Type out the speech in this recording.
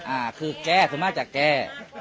อ่าคือแก้คือมาจากแก้